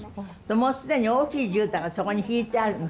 もう既に大きいじゅうたんがそこに敷いてあるの。